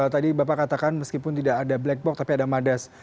tadi bapak katakan meskipun tidak ada black box tapi ada madas